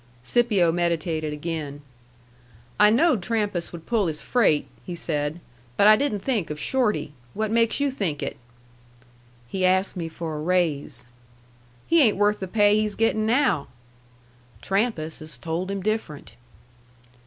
Scipio meditated again. "I knowed Trampas would pull his freight," he said. "But I didn't think of Shorty. What makes you think it?" "He asked me for a raise." "He ain't worth the pay he's getting now." "Trampas has told him different."